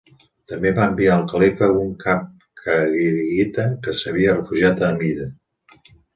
També va enviar al califa un cap kharigita que s'havia refugiat a Amida.